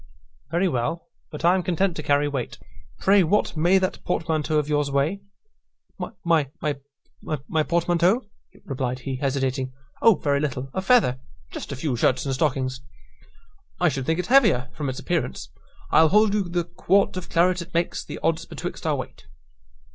"Very well; but I am content to carry weight. Pray, what may that portmanteau of yours weigh?" "My p p portmanteau?" replied he, hesitating "O very little a feather just a few shirts and stockings." "I should think it heavier, from its appearance. I'll hold you the quart of claret it makes the odds betwixt our weight."